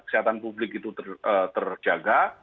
kesehatan publik itu terjaga